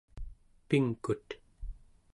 pingkut